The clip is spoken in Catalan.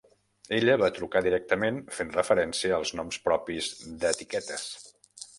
Ella va trucar directament fent referència als noms propis d'"etiquetes".